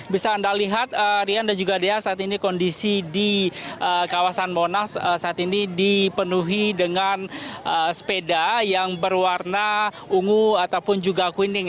bisa anda lihat rian dan juga dea saat ini kondisi di kawasan monas saat ini dipenuhi dengan sepeda yang berwarna ungu ataupun juga kuning